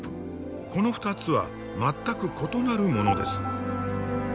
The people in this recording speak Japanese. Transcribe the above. この２つは全く異なる物です。